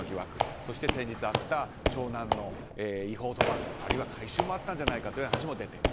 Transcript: そして先日あった長男の違法賭博あるいは買春もあったんじゃないかという話も出ている。